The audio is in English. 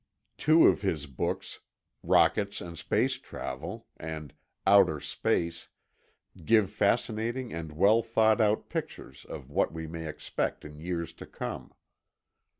(Two of his books, Rockets and Space Travel and Outer Space, give fascinating and well thought out pictures of what we may expect in years to come.)